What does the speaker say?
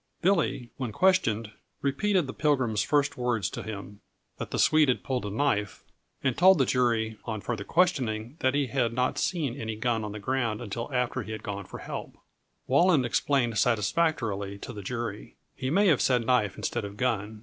Billy, when questioned, repeated the Pilgrim's first words to him that the Swede had pulled a knife; and told the jury, on further questioning, that he had not seen any gun on the ground until after he had gone for help. Walland explained satisfactorily to the jury. He may have said knife instead of gun.